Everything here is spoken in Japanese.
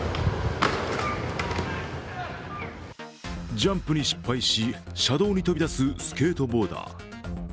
ジャンプに失敗し、車道に飛び出すスケートボーダー。